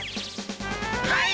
はい！